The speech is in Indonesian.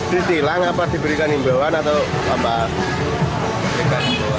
ditilang apa diberikan himbauan atau apa